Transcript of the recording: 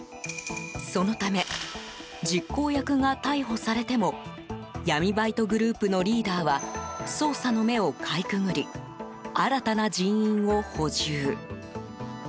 そのため実行役が逮捕されても闇バイトグループのリーダーは捜査の目をかいくぐり新たな人員を補充。